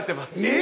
え